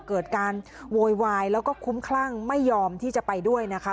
เกิดการโวยวายแล้วก็คุ้มคลั่งไม่ยอมที่จะไปด้วยนะคะ